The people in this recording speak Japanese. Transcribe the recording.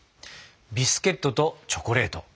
ビスケットとチョコレート。